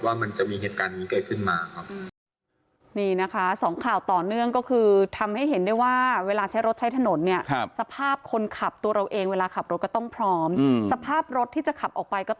ว่ามันจะมีเหตุการณ์นี้เกิดขึ้นมาครับ